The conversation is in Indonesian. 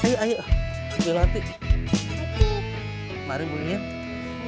saya kan sudah perjuangkan